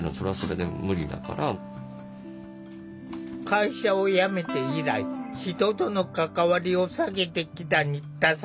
会社を辞めて以来人との関わりを避けてきた新田さん。